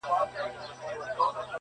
چي زاغان مي خوري ګلشن او غوټۍ ورو ورو٫